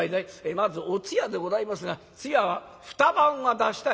「まずお通夜でございますが通夜は２晩は出したい」。